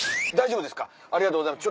ありがとうございます。